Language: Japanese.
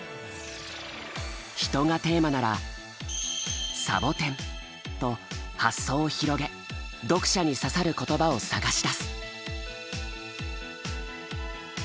「人」がテーマなら「仙人掌」と発想を広げ読者に刺さる言葉を探し出す。